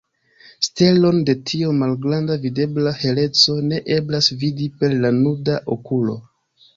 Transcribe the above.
Stelon de tiom malgranda videbla heleco ne eblas vidi per la nuda okulo.